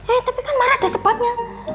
eh tapi kan marah ada sebabnya